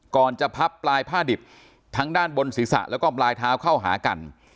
ก่อนจะพับปลายผ้าดิบทั้งด้านบนศีรษะแล้วก็ปลายเท้าเข้าหากัน